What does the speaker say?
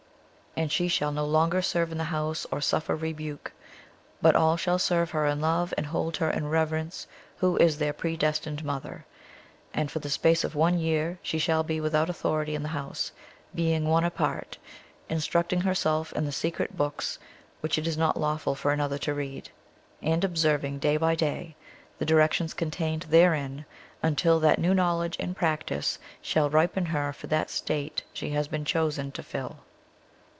And she shall no longer serve in the house or suffer rebuke; but all shall serve her in love, and hold her in reverence, who is their predestined mother. And for the space of one year she shall be without authority in the house, being one apart, instructing herself in the secret books which it is not lawful for another to read, and observing day by day the directions contained therein, until that new knowledge and practice shall ripen her for that state she has been chosen to fill."